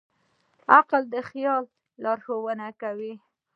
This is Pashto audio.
عقل د خیال لارښوونه کوي.